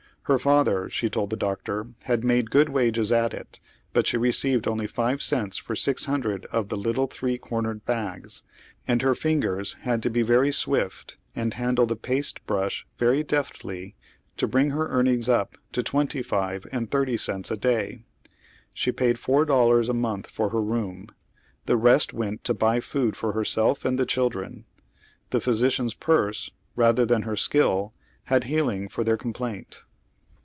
Her father, slie told the doctor, had made good wages at it ; but slie received only five cents for six Inmdred of the little three cornered bags, and her fingers had to be vtjry swift and handle the paste brnsh very deft ly to bring her earnings up to twenty five and thirty cents a day. S!ie paid four dollars a month for her room. The rest went to buy food for herself and the children. The physician's purse, rather than lier skill, had healing for their complaint.